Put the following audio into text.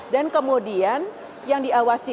dan kemudian yang diawasi